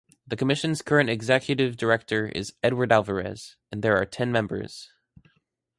The Commission's current Executive Director is Edward Alvarez and there are ten members.